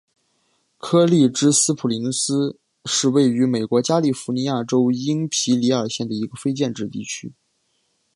柯立芝斯普林斯是位于美国加利福尼亚州因皮里尔县的一个非建制地区。